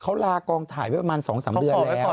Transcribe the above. เขาลากองถ่ายไว้ประมาณ๒๓เดือนแล้ว